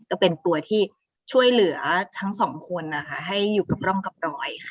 ก็เป็นตัวที่ช่วยเหลือทั้งสองคนนะคะให้อยู่กับร่องกับรอยค่ะ